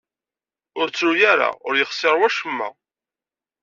Ur ttru ara. Ur yexṣir wacemma.